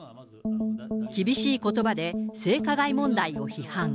厳しいことばで性加害問題を批判。